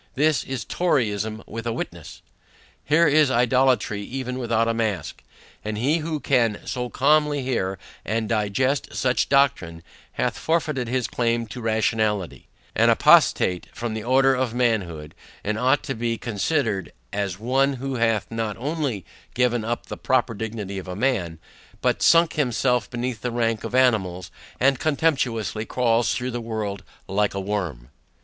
This is toryism with a witness! Here is idolatry even without a mask: And he who can so calmly hear, and digest such doctrine, hath forfeited his claim to rationality an apostate from the order of manhood; and ought to be considered as one, who hath, not only given up the proper dignity of a man, but sunk himself beneath the rank of animals, and contemptibly crawls through the world like a worm.